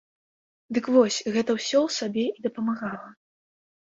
Дык вось, гэта ўсё ў сабе і дапамагала.